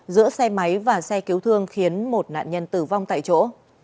giữa xe máy và xe cứu thương khiến một nạn nhân tử vong tại chỗ